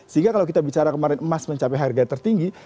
sehingga kalau kita bicara kemarin emas mencapai harga tertinggi